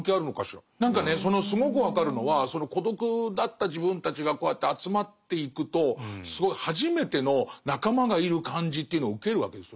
何かねそのすごく分かるのはその孤独だった自分たちがこうやって集まっていくとすごい初めての仲間がいる感じというのを受けるわけですよね。